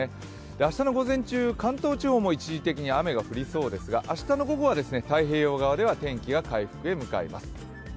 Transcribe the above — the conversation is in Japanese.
明日の午前中、関東地方も一時的に雨が降りそうですが明日の午後は太平洋側では天気は回復へ向かいます。